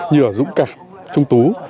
như ở dũng cả trung tú